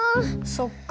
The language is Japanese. そっか。